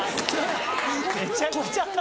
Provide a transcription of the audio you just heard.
めちゃくちゃ大変。